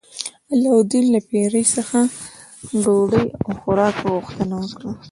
علاوالدین له پیري څخه د ډوډۍ او خوراک غوښتنه وکړه.